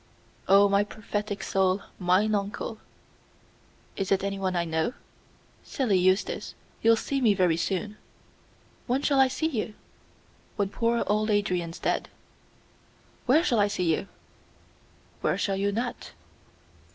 "Oh, my prophetic soul, mine uncle." "Is it anyone I know?" "Silly Eustace, you'll see me very soon." "When shall I see you?" "When poor old Adrian's dead." "Where shall I see you?" "Where shall you not?"